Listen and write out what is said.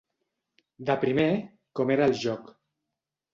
De primer, com era el joc.